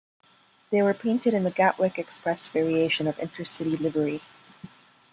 They were painted in the Gatwick Express variation of InterCity livery.